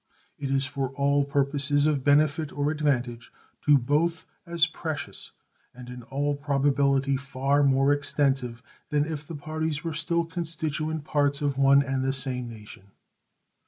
It is for all purposes of benefit or advantage to both as precious, and in all probability far more extensive, than if the parties were still constituent parts of one and the same nation.